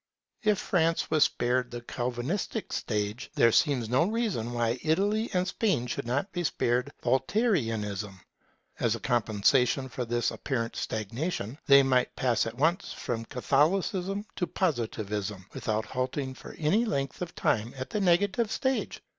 If France was spared the Calvinistic stage, there seems no reason why Italy and even Spain should not be spared Voltairianism. As a compensation for this apparent stagnation, they might pass at once from Catholicism to Positivism, without halting for any length of time at the negative stage.